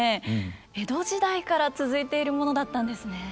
江戸時代から続いているものだったんですね。